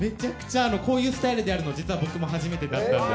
こういうスタイルでやるの僕も初めてだったんで。